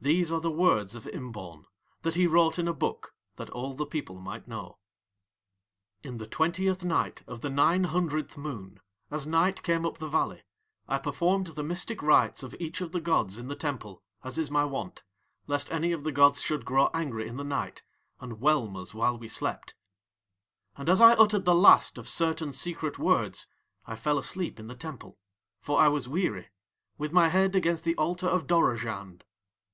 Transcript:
These are the words of Imbaun that he wrote in a book that all the people might know: "In the twentieth night of the nine hundredth moon, as night came up the valley, I performed the mystic rites of each of the gods in the temple as is my wont, lest any of the gods should grow angry in the night and whelm us while we slept. "And as I uttered the last of certain secret words I fell asleep in the temple, for I was weary, with my head against the altar of Dorozhand.